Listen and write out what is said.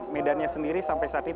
medannya sendiri sampai saat ini